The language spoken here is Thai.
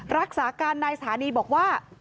รักษาการนายสถานีบอกว่า